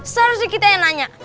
seharusnya kita yang nanya